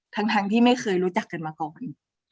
ทั้งที่ไม่เคยรู้จักกันมาก่อน